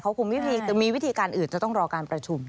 เขาคงมีวิธีการอื่นจะต้องรอการประชุม